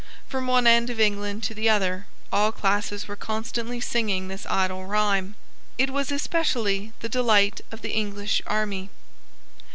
From one end of England to the other all classes were constantly singing this idle rhyme. It was especially the delight of the English army.